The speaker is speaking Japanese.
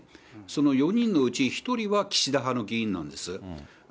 その４人のうち１人は岸田派の議員なんです。